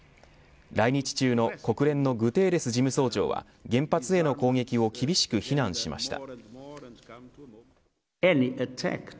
来日中の国連のグテーレス事務総長は原発への攻撃を厳しく非難しました。